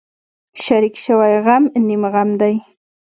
شریک شوی غم نیم غم دی.